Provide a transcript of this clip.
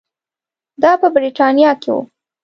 دا په برېټانیا کې وو.